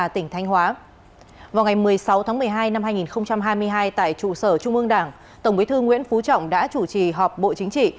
sáu tháng một mươi hai năm hai nghìn hai mươi hai tại trụ sở trung ương đảng tổng bí thư nguyễn phú trọng đã chủ trì họp bộ chính trị